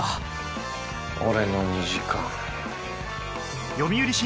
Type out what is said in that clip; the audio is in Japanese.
俺の２時間。